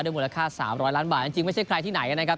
มูลค่า๓๐๐ล้านบาทจริงไม่ใช่ใครที่ไหนนะครับ